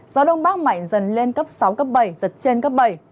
gió đông bắc mạnh dần lên cấp sáu cấp bảy giật trên cấp bảy